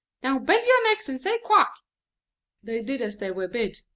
Now bow your necks, and say, 'Quack.'" And they did as they were told.